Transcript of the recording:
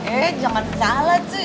eh jangan salah cuy